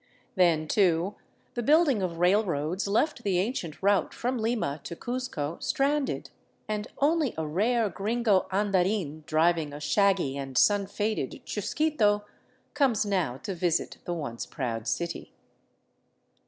Then, too, the building of railroads left the ancient route from Lima to Cuzco stranded, and only a rare gringo andarin, driving a shaggy and sun faded chusquito, comes now to visit the once proud city.